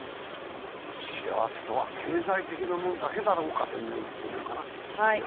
幸せとは経済的なものだけだろうかという疑問かな。